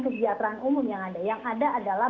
kesejahteraan umum yang ada yang ada adalah